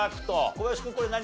小林君これ何？